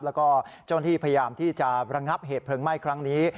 แล้วก็เจ้าหน้าที่พยายามที่จะระงับเหตุเพลิงไหม้ครั้งนี้